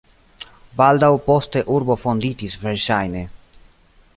Baldaŭ poste urbo fonditis verŝajne.